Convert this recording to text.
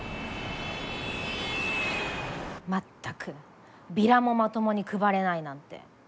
全くビラもまともに配れないなんて。